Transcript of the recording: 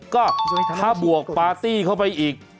ก็ถ้าบวกปาร์ตี้เข้าไปอีก